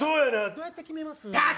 どうやって決めます？